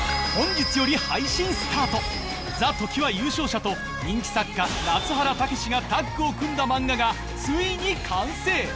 『ＴＨＥＴＯＫＩＷＡ』優勝者と人気作家夏原武がタッグを組んだ漫画がついに完成！